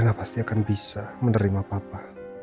anak pasti akan bisa menerima papa